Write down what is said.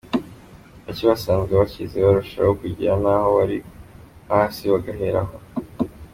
Bake basanzwe bakize barushaho gukira naho abari hasi bagahera aho.